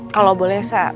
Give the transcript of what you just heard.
kalau boleh sarah